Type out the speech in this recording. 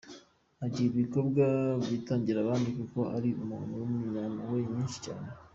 Agira ibikorwa byitangira abandi kuko ari umuntu w’umunyampuhwe nyinshi cyane.